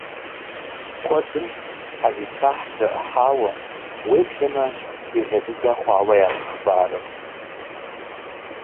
Куэдым ӏэлисахь зэӏыхьауэ, уеблэмэ делэ дыдэ хъуауэ ягъэхъыбарырт.